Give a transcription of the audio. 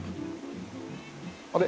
あれ？